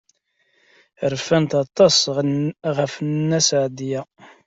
Rfant aṭas ɣef Nna Seɛdiya.